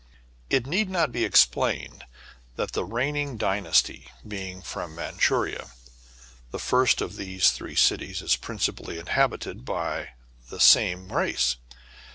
It need not be explained, that, the reigning dynasty being from Mandshuria, the first of these three cities is principally inhabited by a population of the same race.